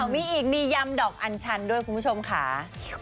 มีอีกมียำดอกอันชันด้วยคุณผู้ชมค่ะ